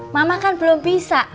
mama kan belum bisa